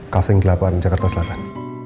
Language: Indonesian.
kaving delapan jakarta selatan